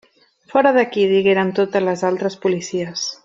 Fora d'ací! —digueren totes les altres policies—.